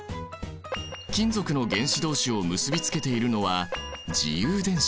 金属の原子どうしを結びつけているのは自由電子。